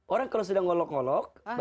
orang kalau sudah mengolok olok